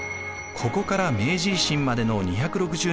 ここから明治維新までの２６０年余りを